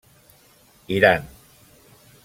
Iran.